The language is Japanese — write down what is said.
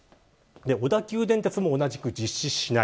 小田急電鉄も同じく実施しない。